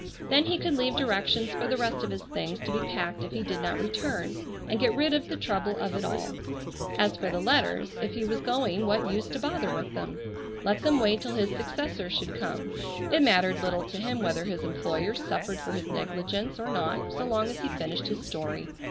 Then he could leave directions for the rest of his things to be packed if he did not return, and get rid of the trouble of it all. As for the letters, if he was going what use to bother with them? Let them wait till his successor should come. It mattered little to him whether his employers suffered for his negligence or not so long as he finished his story.